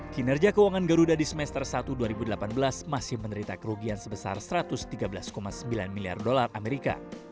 kinerja keuangan garuda di semester satu dua ribu delapan belas masih menderita kerugian sebesar satu ratus tiga belas sembilan miliar dolar amerika